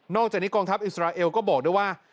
อกจากนี้กองทัพอิสราเอลก็บอกด้วยว่า